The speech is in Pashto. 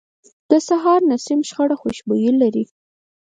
د سهار نسیم خړه خوشبويي لري